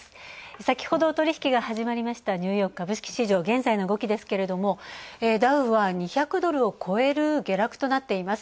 先ほど取引が始まりましたニューヨーク株式市場、現在の動きですけれどもダウは２００ドルを超える下落となっています。